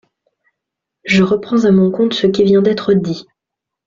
Je reprends à mon compte ce qui vient d’être dit.